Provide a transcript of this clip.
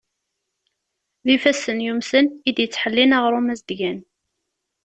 D ifassen yumsen, i d-yettḥellin aɣrum azedyan.